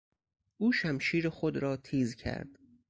او شمشیر خود را تیز کرد.